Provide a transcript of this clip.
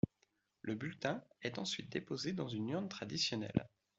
Le bulletin est ensuite déposé dans une urne traditionnelle.